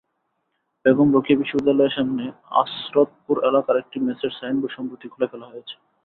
বেগম রোকেয়া বিশ্ববিদ্যালয়ের সামনে আশরতপুর এলাকার একটি মেসের সাইনবোর্ড সম্প্রতি খুলে ফেলা হয়েছে।